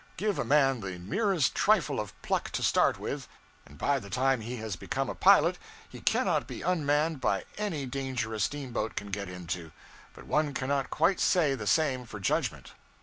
Give a man the merest trifle of pluck to start with, and by the time he has become a pilot he cannot be unmanned by any danger a steamboat can get into; but one cannot quite say the same for judgment.